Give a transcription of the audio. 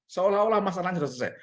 seolah olah masalahnya sudah selesai